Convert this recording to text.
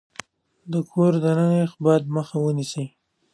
د کور دننه يخ باد مخه ونيسئ.